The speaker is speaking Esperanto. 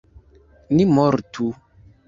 Ni mortu!